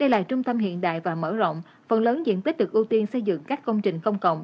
đây là trung tâm hiện đại và mở rộng phần lớn diện tích được ưu tiên xây dựng các công trình công cộng